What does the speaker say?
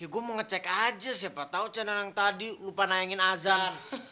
gue mau ngecek aja siapa tau cenan yang tadi lupa nayangin azan